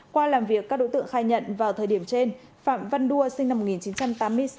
qua làm việc các đối tượng khai nhận vào thời điểm trên phạm văn đua sinh năm một nghìn chín trăm tám mươi sáu